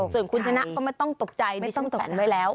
ส่วนคุณชนะก็ไม่ต้องตกใจดิฉันแขวนไว้แล้ว